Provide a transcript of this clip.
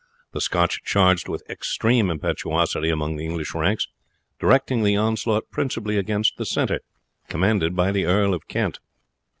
The Scotch charged with extreme impetuosity among the English ranks, directing the onslaught principally against the centre, commanded by the Earl of Kent.